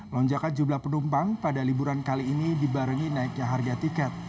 lonjakan jumlah penumpang pada liburan kali ini dibarengi naiknya harga tiket